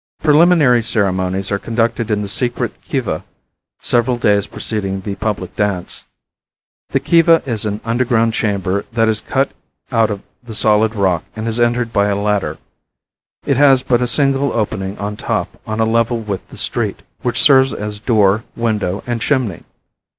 Preliminary ceremonies are conducted in the secret Kiva several days preceding the public dance. The Kiva is an underground chamber that is cut out of the solid rock, and is entered by a ladder. It has but a single opening on top on a level with the street, which serves as door, window and chimney.